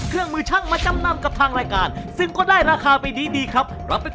เขาจะทำได้หรือไม่ได้ครับ